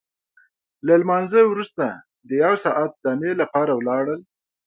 له لمانځه وروسته د یو ساعت دمې لپاره ولاړل.